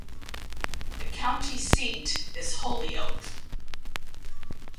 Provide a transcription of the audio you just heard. The county seat is Holyoke.